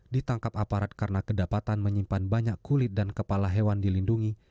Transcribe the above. ditangkap aparat karena kedapatan menyimpan banyak kulit dan kepala hewan dilindungi